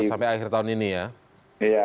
sampai akhir tahun ini ya